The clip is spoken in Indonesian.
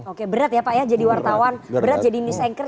oke berat ya pak ya jadi wartawan berat jadi news anchor